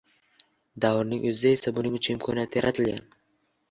Davrning o‘zida esa buning uchun imkoniyat yaratilgan.